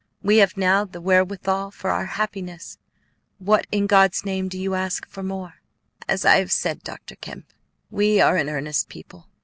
We have now the wherewithal for our happiness; what, in God's name, do you ask for more?" "As I have said, Dr. Kemp, we are an earnest people.